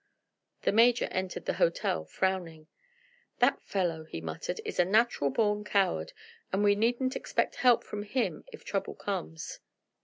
The Major entered the hotel frowning. "That fellow," he muttered, "is a natural born coward, and we needn't expect help from him if trouble comes."